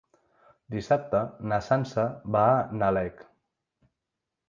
Dissabte na Sança va a Nalec.